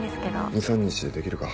２３日でできるか？